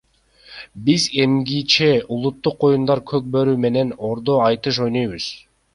Биз эмгиче улуттук оюндардан көк бөрү менен ордо атыш ойнойбуз.